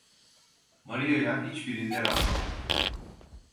Maria'ya hiçbirinde rastlamadım.